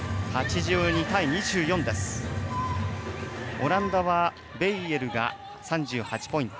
オランダはベイエルが３８ポイント。